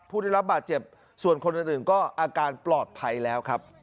ผู้ได้รับบาดเจ็บส่วนคนอื่นก็อาการปลอดภัยแล้วครับ